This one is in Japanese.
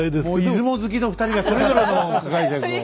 出雲好きの２人がそれぞれの解釈を。